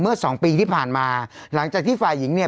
สองปีที่ผ่านมาหลังจากที่ฝ่ายหญิงเนี่ย